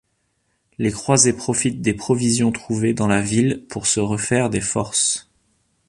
Les croisés profitent des provisions trouvées dans la ville pour se refaire des forces.